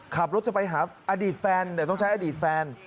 ขับรถจะไปหาอดีตแฟนแต่ต้องใช้อดีตแฟน